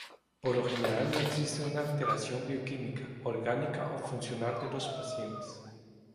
Por lo general no existe una alteración bioquímica, orgánica o funcional de los pacientes.